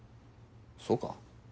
そうか？